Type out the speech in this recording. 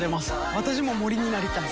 私も森になりたい。